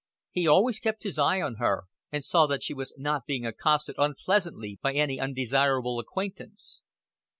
He always kept his eye on her, and saw that she was not being accosted unpleasantly by any undesirable acquaintance.